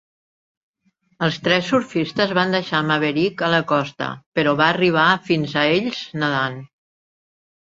Els tres surfistes van deixar Maverick a la costa, però va arribar fins a ells nedant.